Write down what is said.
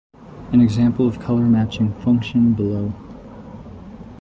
An example of color matching function below.